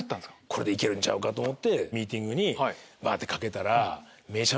これで行けるんちゃうかと思ってミーティングにかけたら。